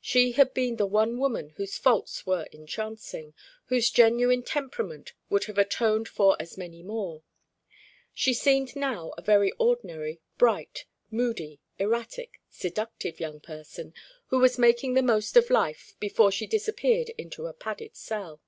She had been the one woman whose faults were entrancing, whose genuine temperament would have atoned for as many more. She seemed now a very ordinary, bright, moody, erratic, seductive young person who was making the most of life before she disappeared into a padded cell.